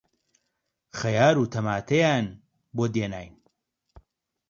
خەیار و تەماتەیان بۆ دێناین